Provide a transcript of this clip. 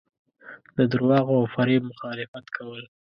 د درواغو او فریب مخالفت کول.